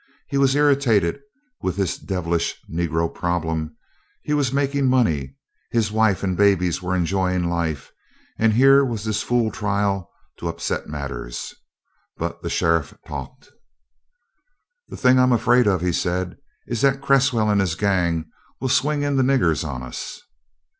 He was irritated with this devilish Negro problem; he was making money; his wife and babies were enjoying life, and here was this fool trial to upset matters. But the sheriff talked. "The thing I'm afraid of," he said, "is that Cresswell and his gang will swing in the niggers on us."